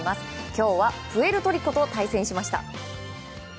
今日はプエルトリコと対戦しました。